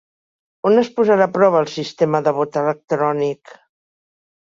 On es posarà a prova el sistema de vot electrònic?